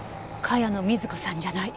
茅野瑞子さんじゃない。